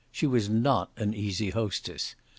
She was not an easy hostess.